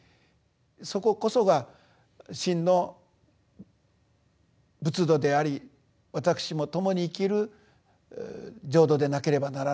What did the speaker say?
そここそが真の仏土であり私も共に生きる浄土でなければならない。